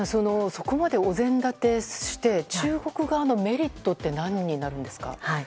そこまでお膳立てして中国側のメリットって何になるんですか？